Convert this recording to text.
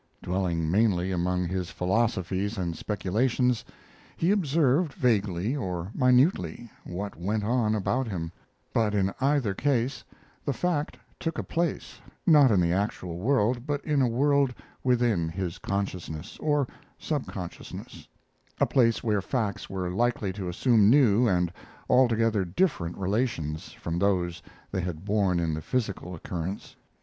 Dwelling mainly among his philosophies and speculations, he observed vaguely, or minutely, what went on about him; but in either case the fact took a place, not in the actual world, but in a world within his consciousness, or subconsciousness, a place where facts were likely to assume new and altogether different relations from those they had borne in the physical occurrence.